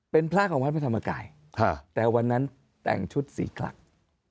เป็นพระของวัดพระธรรมกายแต่วันนั้นแต่งชุดสีคลัก